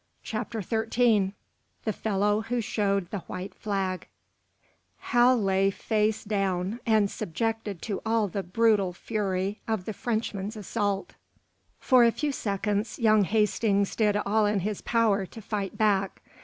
CHAPTER XIII THE FELLOW WHO SHOWED THE WHITE FLAG Hal lay face down, and subjected to all the brutal fury of the Frenchman's assault. For a few seconds young Hastings did all in his power to fight back.